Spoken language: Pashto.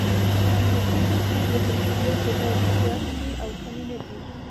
امنیتي پېښې د جمهوریت د دور نه زیاتې دي او کمې نه دي.